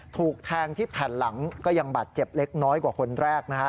ถูกแทงที่แผ่นหลังก็ยังบาดเจ็บเล็กน้อยกว่าคนแรกนะฮะ